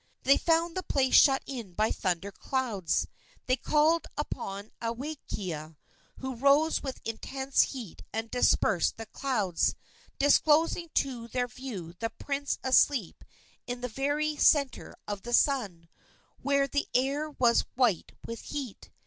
They found the place shut in by thunder clouds. They called upon Awakea, who rose with intense heat and dispersed the clouds, disclosing to their view the prince asleep in the very centre of the Sun, where the air was white with heat.